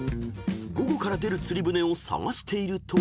［午後から出る釣り船を探していると］